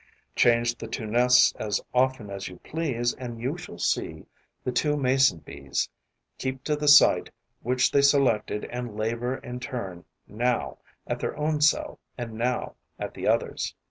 Change the two nests as often as you please and you shall see the two Mason bees keep to the site which they selected and labour in turn now at their own cell and now at the other's.